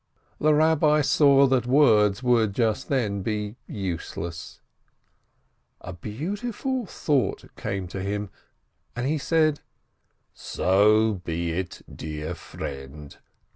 586 A FOLK TALE The Eabbi saw that words would just then be useless. A beautiful thought came to him, and he said : "So be it, dear friend !